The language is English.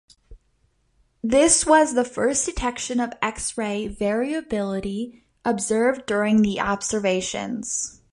This was the first detection of X-ray variability observed during the observations.